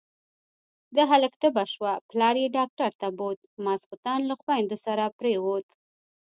د هلک تبه شوه، پلار يې ډاکټر ته بوت، ماسختن له خويندو سره پرېووت.